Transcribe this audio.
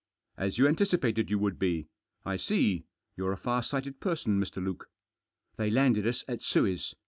" As you anticipated you would be. I see. You're a far sighted person, Mr. Luke." " They landed us at Suez.